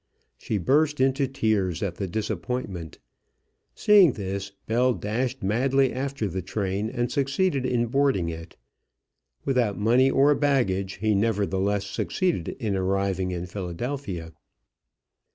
She burst into tears at the disappointment. Seeing this, Bell dashed madly after the train and succeeded in boarding it. Without money or baggage, he nevertheless succeeded in arriving in Philadelphia.